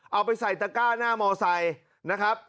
เอาไปใส่ตะก้าหน้ามอไซค์นะครับ